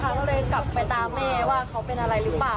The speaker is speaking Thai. ก็เลยกลับไปตามแม่ว่าเขาเป็นอะไรหรือเปล่า